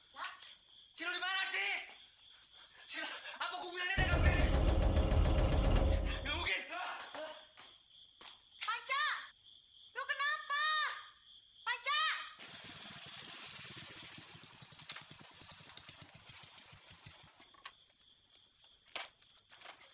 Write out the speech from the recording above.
pancat lu kenapa pancat